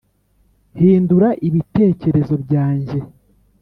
hindura ibitekerezo byanjye